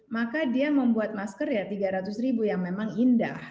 maka dia membuat masker ya tiga ratus ribu yang memang indah